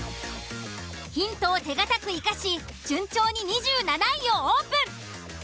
ヒントを手堅く生かし順調に２７位をオープン。